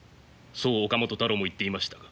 そう岡本太郎も言っていましたが。